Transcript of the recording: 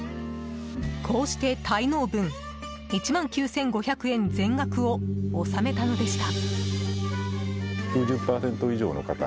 こうして滞納分１万９５００円全額を納めたのでした。